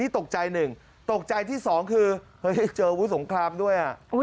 ตกใจที่สองคือเจอวุฒุสงครามด้วย